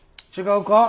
違うか？